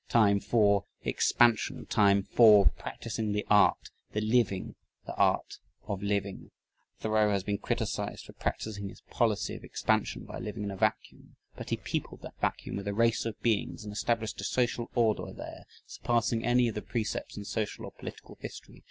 Time FOR expansion. Time FOR practicing the art, of living the art of living. Thoreau has been criticized for practicing his policy of expansion by living in a vacuum but he peopled that vacuum with a race of beings and established a social order there, surpassing any of the precepts in social or political history.